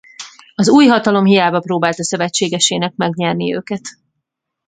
Az új hatalom hiába próbálta szövetségesének megnyerni őket.